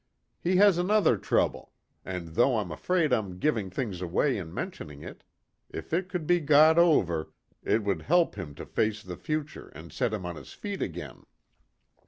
"He has another trouble, and though I'm afraid I'm giving things away in mentioning it, if it could be got over, it would help him to face the future and set him on his feet again."